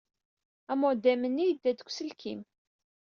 Amodem-nni yedda-d deg uselkim.